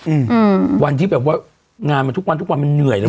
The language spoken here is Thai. อืมอืมวันที่แบบว่างานมันทุกวันทุกวันมันเหนื่อยแล้ว